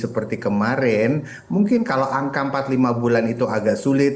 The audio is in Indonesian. seperti kemarin mungkin kalau angka empat lima bulan itu agak sulit